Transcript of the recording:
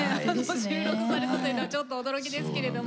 収録されたというのはちょっと驚きですけれども。